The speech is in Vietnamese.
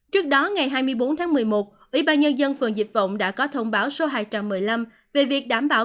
trước đó ngày hai mươi bốn tháng một mươi một ủy ban nhân dân phường dịch vọng đã có thông báo số hai trăm một mươi năm về việc đảm bảo